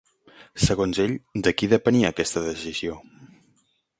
Segons ell, de qui depenia aquesta decisió?